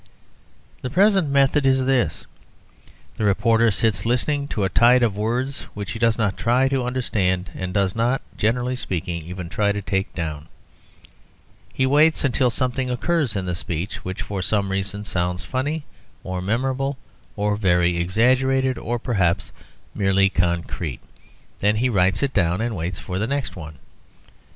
The present method is this: the reporter sits listening to a tide of words which he does not try to understand, and does not, generally speaking, even try to take down; he waits until something occurs in the speech which for some reason sounds funny, or memorable, or very exaggerated, or, perhaps, merely concrete; then he writes it down and waits for the next one.